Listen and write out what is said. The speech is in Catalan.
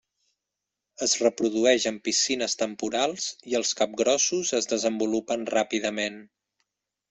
Es reprodueix en piscines temporals i els capgrossos es desenvolupen ràpidament.